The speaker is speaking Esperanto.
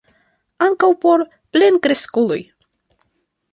Ankaŭ por plenkreskuloj!